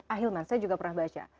ahilman saya juga pernah baca